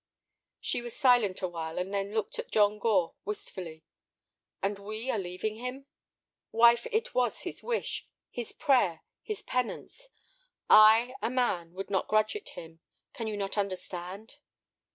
She was silent awhile, and then looked at John Gore wistfully. "And we are leaving him!" "Wife, it was his wish, his prayer, his penance. I—a man—would not grudge it him. Can you not understand?"